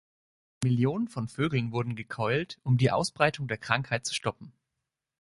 Millionen von Vögeln wurden gekeult, um die Ausbreitung der Krankheit zu stoppen.